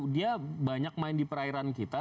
dia banyak main di perairan kita